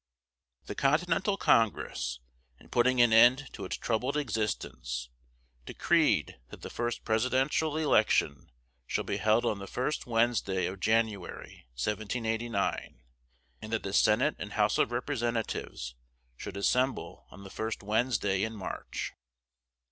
The Continental Congress, in putting an end to its troubled existence, decreed that the first presidential election should be held on the first Wednesday of January, 1789, and that the Senate and House of Representatives should assemble on the first Wednesday in March.